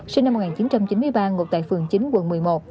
sinh năm một nghìn chín trăm chín mươi ba ngụ tại phường chín quận một mươi một